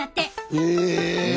へえ。